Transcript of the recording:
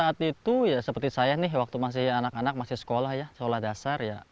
saat itu ya seperti saya nih waktu masih anak anak masih sekolah ya sekolah dasar ya